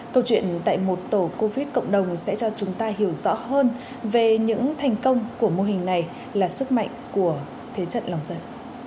câu chuyện tại một tổ covid cộng đồng sẽ cho chúng ta hiểu rõ hơn về những thành công của mô hình này là sức mạnh của thế trận lòng dân